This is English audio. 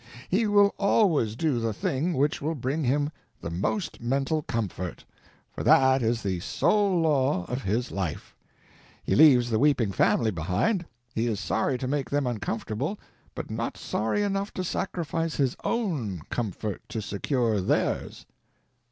He will always do the thing which will bring him the most mental comfort—for that is the sole law of his life. He leaves the weeping family behind; he is sorry to make them uncomfortable, but not sorry enough to sacrifice his own comfort to secure theirs.